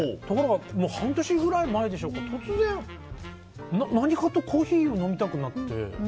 ところが半年くらい前でしょうか突然、何かとコーヒーを飲みたくなって。